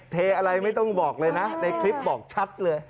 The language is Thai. เทอะไรไม่ต้องบอกเลยนะในคลิปบอกชัดเลย